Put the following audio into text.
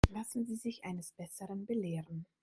Lassen Sie sich eines Besseren belehren.